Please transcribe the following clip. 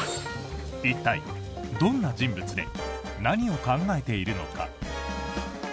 一体、どんな人物で何を考えているのか？